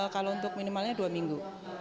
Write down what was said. kalau untuk minimalnya dua minggu